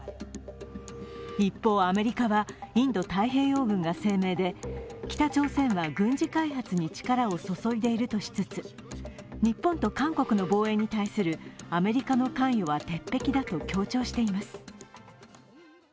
一方、アメリカはインド太平洋軍が声明で北朝鮮は軍事開発に力を注いでいるとしつつ、日本と韓国の防衛に対するアメリカの関与は鉄壁だと強調しています。